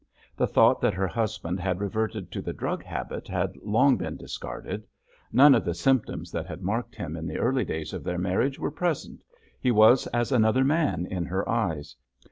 The thought that her husband had reverted to the drug habit had long been discarded. None of the symptoms that had marked him in the early days of their marriage were present—he was as another man in her eyes.